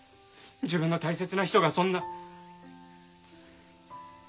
自分の大切な人がそんな。